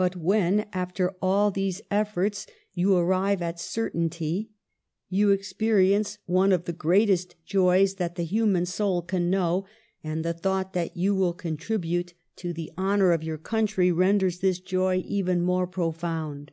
'^But when, after all these efforts, you arrive at certainty, you experience one of the greatest joys that the human soul can know, and the thought that you will contribute to the honour 182 PASTEUR of your country renders this joy even more pro found.